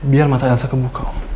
biar mata elsa kebuka